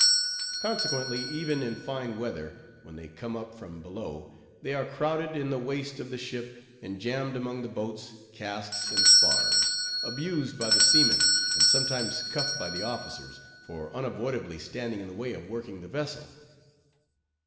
Consequently—even in fine weather—when they come up from below, they are crowded in the waist of the ship, and jammed among the boats, casks, and spars; abused by the seamen, and sometimes cuffed by the officers, for unavoidably standing in the way of working the vessel.